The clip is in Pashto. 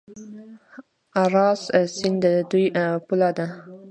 اراس سیند د دوی پوله ده.